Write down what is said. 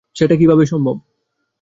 সেটা কীভাবে সম্ভব?